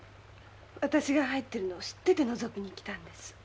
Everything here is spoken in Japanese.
私が入ってるのを知っててのぞきに来たんです。